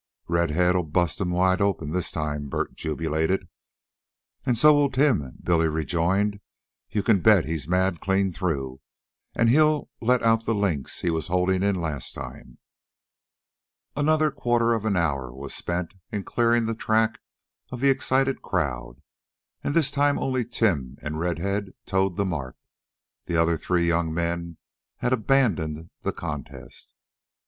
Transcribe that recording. "Red head'll bust himself wide open this time," Bert jubilated. "An' so will Tim," Billy rejoined. "You can bet he's mad clean through, and he'll let out the links he was holdin' in last time." Another quarter of an hour was spent in clearing the track of the excited crowd, and this time only Tim and Red head toed the mark. The other three young men had abandoned the contest.